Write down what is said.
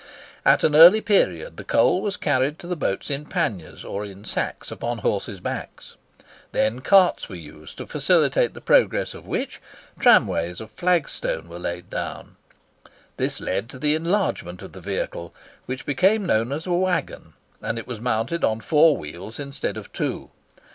At an early period the coal was carried to the boats in panniers, or in sacks upon horses' backs. Then carts were used, to facilitate the progress of which tramways of flag stone were laid down. This led to the enlargement of the vehicle, which became known as a waggon, and it was mounted on four wheels instead of two.